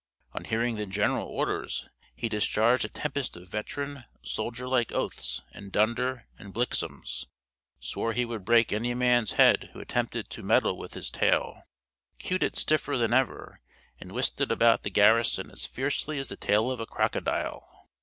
On hearing the general orders, he discharged a tempest of veteran, soldier like oaths, and dunder and blixums swore he would break any man's head who attempted to meddle with his tail queued it stiffer than ever, and whisked it about the garrison as fiercely as the tail of a crocodile.